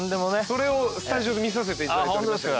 それをスタジオで見させていただいておりました。